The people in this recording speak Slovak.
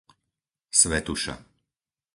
Svätuša